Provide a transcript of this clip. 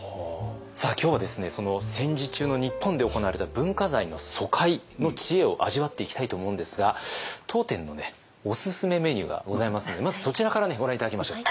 今日は戦時中の日本で行われた文化財の疎開の知恵を味わっていきたいと思うんですが当店のおすすめメニューがございますのでまずそちらからご覧頂きましょう。